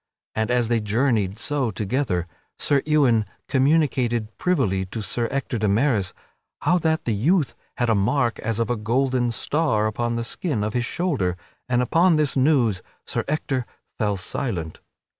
And, as they journeyed so together, Sir Ewain communicated privily to Sir Ector de Maris how that the youth had a mark as of a golden star upon the skin of his shoulder, and upon this news Sir Ector fell very silent.